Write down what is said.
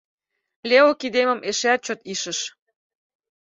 Лео кидемым эшеат чот ишыш.